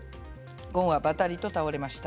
ごんはばたりとたおれました。